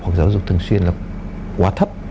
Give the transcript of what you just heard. hoặc giáo dục thường xuyên là quá thấp